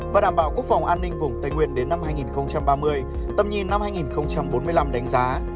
và đảm bảo quốc phòng an ninh vùng tây nguyên đến năm hai nghìn ba mươi tầm nhìn năm hai nghìn bốn mươi năm đánh giá